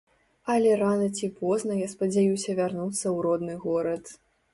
Але рана ці позна я спадзяюся вярнуцца ў родны горад.